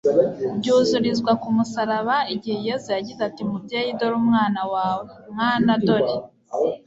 byuzurizwa ku musaraba igihe yezu agize ati mubyeyi dore umwana wawe, mwana dore